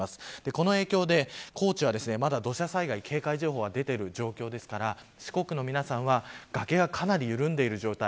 この影響で高知はまだ土砂災害警戒情報が出ている状態ですから四国の皆さんは崖がかなり緩んでいる状態。